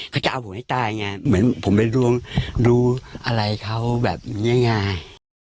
เขาจะเอาผมให้ตายไงเหมือนผมไปลวงดูอะไรเขาแบบง่าย